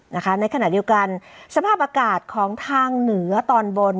ในขณะเดียวกันสภาพอากาศของทางเหนือตอนบน